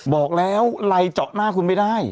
บอกแล้วไลน์เจาะหน้าคุณไม่ได้